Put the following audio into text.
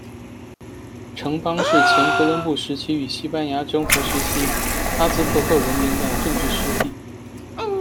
城邦是前哥伦布时期与西班牙征服时期，阿兹特克文明的政治实体。